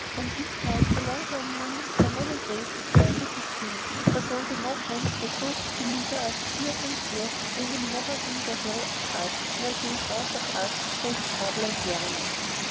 And if thou prolong thy mourning for many days it were a little thing; for though the Moslems resolve to beleaguer us years and years, they will never win their will of us nor gain aught of us save trouble and weariness."